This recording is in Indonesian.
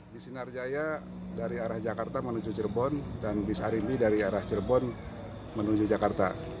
bis sinarjaya dari arah jakarta menuju jerbon dan bis arimbi dari arah jerbon menuju jakarta